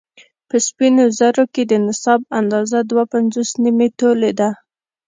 په سپينو زرو کې د نصاب اندازه دوه پنځوس نيمې تولې ده